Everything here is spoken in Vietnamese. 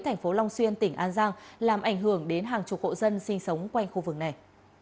thành phố long xuyên tỉnh an giang làm ảnh hưởng đến hàng chục hộ dân sinh sống quanh khu vực này